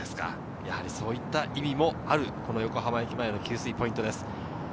そういった意味もある横浜駅前での給水ポイントです。